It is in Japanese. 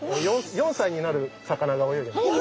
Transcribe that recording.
４歳になる魚が泳いでます。